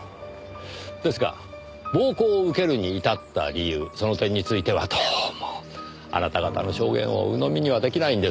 ですが暴行を受けるに至った理由その点についてはどうもあなた方の証言をうのみには出来ないんですよ。